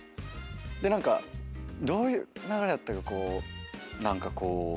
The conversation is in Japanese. で何かどういう流れだったか何かこう。